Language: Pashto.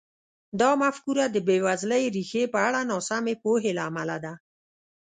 دا مفکوره د بېوزلۍ ریښې په اړه ناسمې پوهې له امله ده.